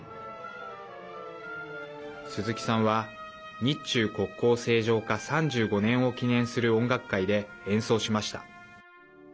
鈴木さんは日中国交正常化３５年を記念する音楽会で演奏しました。